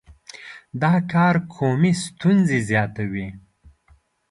دا کار قومي ستونزې زیاتوي.